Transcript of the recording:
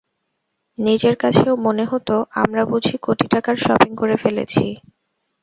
নিজের কাছেও মনে হতো, আমরা বুঝি কোটি টাকার শপিং করে ফেলেছি।